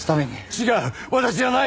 違う私じゃない。